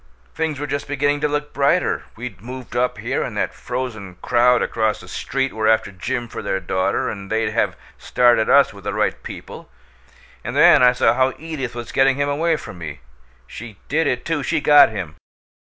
Things were just beginning to look brighter we'd moved up here, and that frozen crowd across the street were after Jim for their daughter, and they'd have started us with the right people and then I saw how Edith was getting him away from me. She did it, too! She got him!